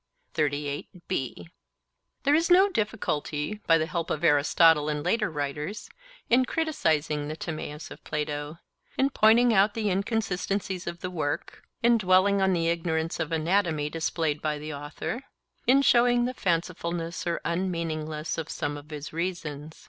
There is no difficulty, by the help of Aristotle and later writers, in criticizing the Timaeus of Plato, in pointing out the inconsistencies of the work, in dwelling on the ignorance of anatomy displayed by the author, in showing the fancifulness or unmeaningness of some of his reasons.